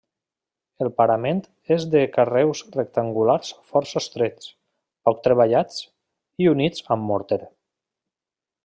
El parament és de carreus rectangulars força estrets, poc treballats i units amb morter.